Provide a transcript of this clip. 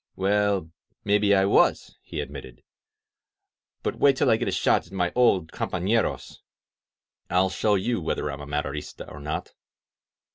"Well, maybe I was," he admitted. "But wait till I get a shot at my old companeros. I'll show you whether I'm a Maderista or not